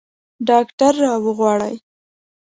ډاکټر راوغواړئ